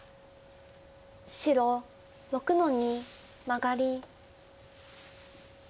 白６の二マガリ。